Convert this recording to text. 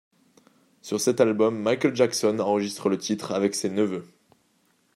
Sur cet album, Michael Jackson enregistre le titre ' avec ses neveux.